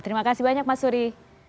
terima kasih banyak mas suri